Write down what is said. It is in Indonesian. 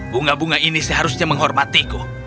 bunga bunga ini seharusnya menghormatiku